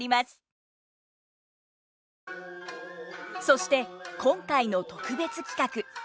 そして今回の特別企画。